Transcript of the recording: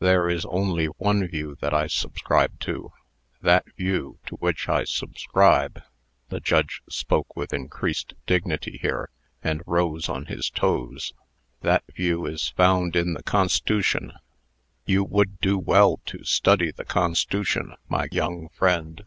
There is only one view that I subscribe to. That view to which I subscribe (the Judge spoke with increased dignity here, and rose on his toes) that view is found in the Cons'tution. You would do well to study the Cons'tution, my young friend."